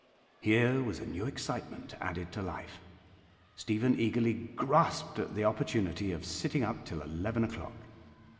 Here was a new excitement added to life: Stephen eagerly grasped at the opportunity of sitting up till eleven o'clock.